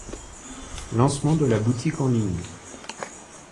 Lancement de la boutique en ligne.